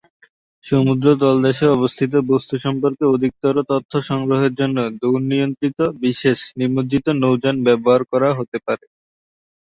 সমুদ্র তলদেশের অবস্থিত বস্তু সম্পর্কে অধিকতর তথ্য সংগ্রহের জন্য দূর-নিয়ন্ত্রিত বিশেষ নিমজ্জিত নৌযান ব্যবহার করা হতে পারে।